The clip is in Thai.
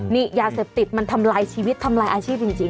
นี่ยาเสพติดมันทำลายชีวิตทำลายอาชีพจริง